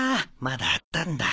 まだあったんだ。